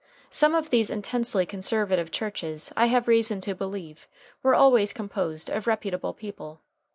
Some of these intensely conservative churches, I have reason to believe, were always composed of reputable people.